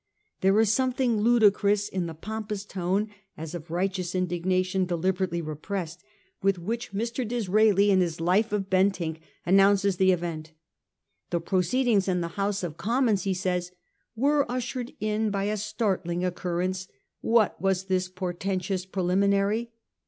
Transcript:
There is some thing ludicrous in the pompous tone, as of righteous indignation deliberately repressed, with which Mr. D D 2 404 A HISTORY OF OUR OWN TIMES. CH. XYT. Disraeli, in his Life of Bentinck, announces the event. The proceedings in the House of Commons, he says, ' were ushered in by a startling occurrence.' What was this portentous preliminary